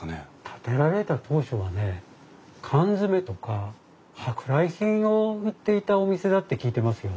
建てられた当初はね缶詰とか舶来品を売っていたお店だって聞いてますよ。